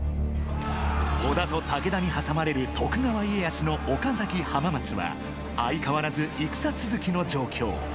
織田と武田に挟まれる徳川家康の岡崎・浜松は相変わらず戦続きの状況。